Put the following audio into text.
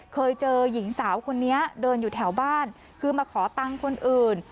เคยเจอหญิงสาวคนนี้เดินอยู่แถวบ้านคือมาขอตังค์คนอื่น